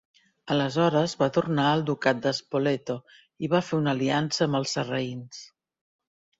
Aleshores va tornar al ducat de Spoleto i va fer una aliança amb els sarraïns.